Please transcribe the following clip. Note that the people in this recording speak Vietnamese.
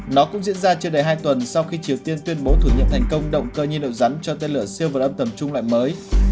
nó cũng diễn ra chưa đầy hai tuần sau khi triều tiên tuyên bố thử nghiệm thành công động cơ nhiên liệu rắn cho tên lửa siêu vật âm tầm trung loại mới